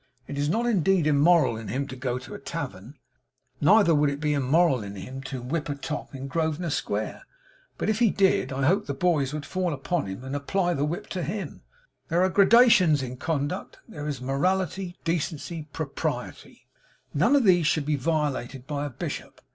It is not indeed immoral in him to go to a tavern; neither would it be immoral in him to whip a top in Grosvenor square. But, if he did, I hope the boys would fall upon him, and apply the whip to him. There are gradations in conduct; there is morality, decency, propriety. None of these should be violated by a bishop.